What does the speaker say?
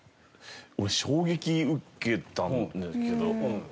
俺衝撃受けたんだけど。